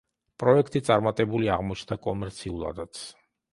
პროექტი წარმატებული აღმოჩნდა კომერციულადაც.